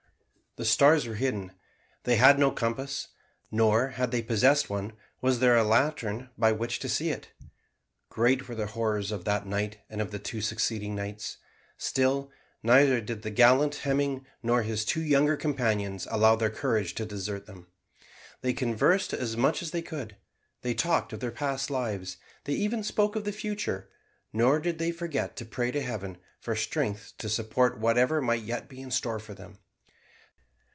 The stars were hidden they had no compass nor, had they possessed one, was there a lantern by which to see it. Great were the horrors of that night and of two succeeding nights; still neither did the gallant Hemming nor his two younger companions allow their courage to desert them. They conversed as much as they could, they talked of their past lives, they even spoke of the future; nor did they forget to pray to Heaven for strength to support whatever might yet be in store for them.